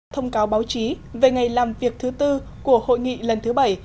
thông cáo báo chí về ngày làm việc thứ tư của hội nghị lần thứ bảy